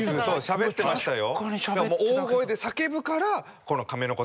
しゃべってましたよ。